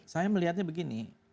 saya melihatnya begini